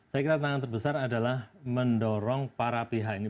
saya kira tantangan terbesar adalah mendorong para pihak ini